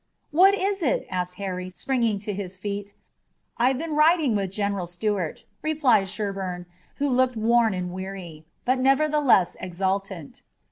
"What is it?" asked Harry, springing to his feet. "I've been riding with General Stuart," replied Sherburne, who looked worn and weary, but nevertheless exultant.